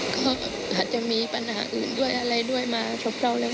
ก็อาจจะมีปัญหาอื่นด้วยอะไรด้วยมาครบเราแล้ว